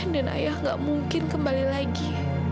dan ayah gak mungkin kembali lagi